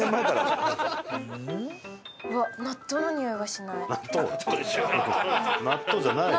うわっ納豆のにおいはしない。